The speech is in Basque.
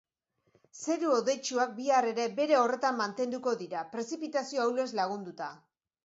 Zeru hodeitsuak bihar ere bere horretan mantenduko dira, prezipitazio ahulez lagunduta.